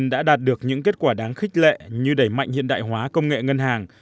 đã đạt được những kết quả đáng khích lệ như đẩy mạnh hiện đại hóa công nghệ ngân hàng